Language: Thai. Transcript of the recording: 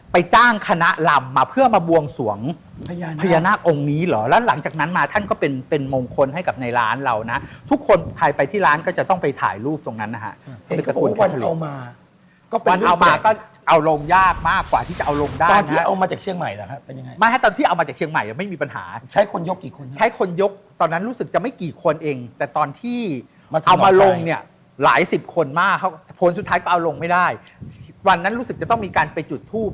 ไปถ่ายรูปตรงนั้นนะฮะก็เป็นวันเอามาก็เป็นวันเอามาก็เอาลงยากมากกว่าที่จะเอาลงได้นะครับเอามาจากเชียงใหม่ล่ะครับเป็นยังไงไม่ครับตอนที่เอามาจากเชียงใหม่ไม่มีปัญหาใช้คนยกกี่คนใช้คนยกตอนนั้นรู้สึกจะไม่กี่คนเองแต่ตอนที่เอามาลงเนี้ยหลายสิบคนมาเขาสุดท้ายก็เอาลงไม่ได้วันนั้นรู้สึกจะต้องมีการไปจุดท